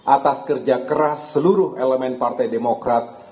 atas kerja keras seluruh elemen partai demokrat